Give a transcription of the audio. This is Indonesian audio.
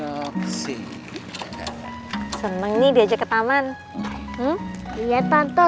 ya tante seneng banget bisa ke taman lagi sama tante dewi